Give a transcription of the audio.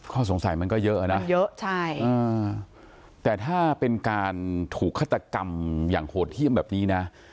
ข้อสงสัยมันก็เยอะนะเยอะใช่แต่ถ้าเป็นการถูกฆาตกรรมอย่างโหดเยี่ยมแบบนี้นะ